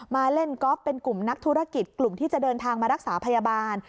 มาเล่นก๊อฟเป็นกลุ่มนักธุรกิจกลุ่มที่จะเดินทางมารักษาพยาบาล